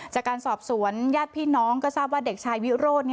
จากการสอบสวนญาติพี่น้องก็ทราบว่าเด็กชายวิโรธ